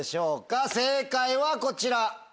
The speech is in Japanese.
正解はこちら。